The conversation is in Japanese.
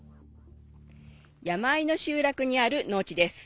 山あいの集落にある農地です。